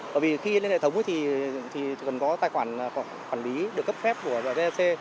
bởi vì khi lên hệ thống thì cần có tài khoản quản lý được cấp phép của vetc